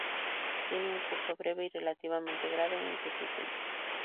Tiene un curso breve y relativamente grave e intermitente.